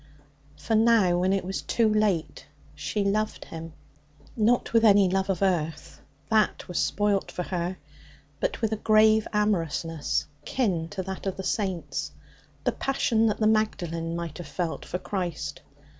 For now, when it was too late, she loved him not with any love of earth; that was spoilt for her but with a grave amorousness kin to that of the Saints, the passion that the Magdalen might have felt for Christ.